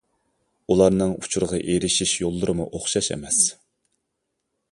ئۇلارنىڭ ئۇچۇرغا ئېرىشىش يوللىرىمۇ ئوخشاش ئەمەس.